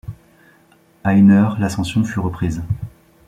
À une heure, l’ascension fut reprise